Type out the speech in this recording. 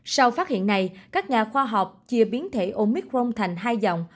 sau phát hiện này các nhà khoa học chia biến thể omicron thành hai dòng